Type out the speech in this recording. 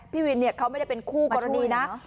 พี่วินเนี่ยเขาไม่ได้กลัวคุณมาช่วยเหรอ